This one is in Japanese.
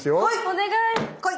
お願い。